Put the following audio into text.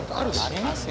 ありますよ。